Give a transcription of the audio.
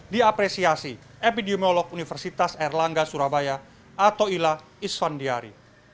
diapresiasi epidemiolog universitas erlangga surabaya atau ilah isvan diari